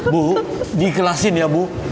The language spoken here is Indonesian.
bu dikelasin ya bu